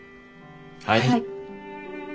はい。